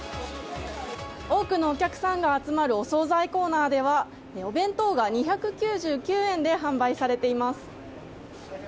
多くのお客さんが集まるお総菜コーナーではお弁当が２９９円で販売されています。